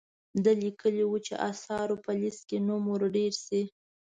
ده لیکلي وو چې آثارو په لیست کې نوم ور ډیر شي.